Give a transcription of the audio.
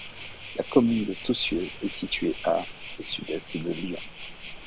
La commune de Toussieu est située à au sud-est de Lyon.